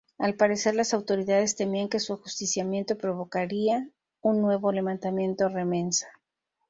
Al parecer las autoridades temían que su ajusticiamiento provocaría un nuevo levantamiento remensa.